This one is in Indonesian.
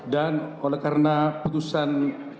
dan karena keputusan